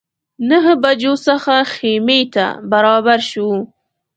نهه بجو څخه خیمې ته برابر شوو.